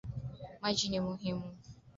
Maji ni muhimu